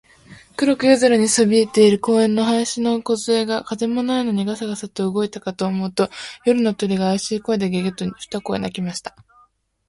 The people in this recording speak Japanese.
黒く夜空にそびえている公園の林のこずえが、風もないのにガサガサと動いたかと思うと、夜の鳥が、あやしい声で、ゲ、ゲ、と二声鳴きました。